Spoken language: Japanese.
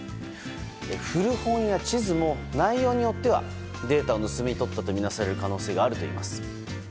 古本や地図も内容によってはデータを盗み取ったとみなされる可能性があるといいます。